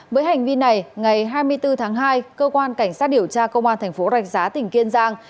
với hành vi này ngày hai mươi bốn tháng hai cơ quan cảnh sát điều tra công an thành phố rạch giá tỉnh kiên giang